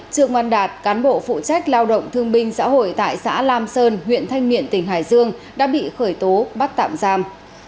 trương văn đạt cán bộ phụ trách lao động thương binh xã hội tại xã lam sơn huyện thanh miện tỉnh hải dương đã bị khởi tố bắt tạm giam